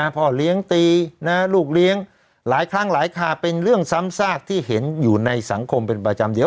พ่อเลี้ยงตีลูกเลี้ยงหลายครั้งหลายคาเป็นเรื่องซ้ำซากที่เห็นอยู่ในสังคมเป็นประจำเดี๋ยว